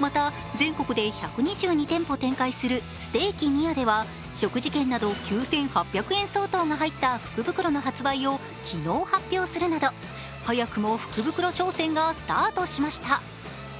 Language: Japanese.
また、全国で１２２店舗を展開するステーキ宮では食事券など９８００円相当が入った福袋の発売を昨日発表するなど早くも福袋商戦がスタートしました。